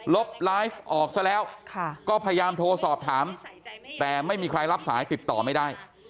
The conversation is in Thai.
บไลฟ์ออกซะแล้วก็พยายามโทรสอบถามแต่ไม่มีใครรับสายติดต่อไม่ได้